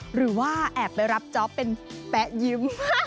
หรือว่าแอบไปรับจ๊อปเป็นแป๊ะยิ้ม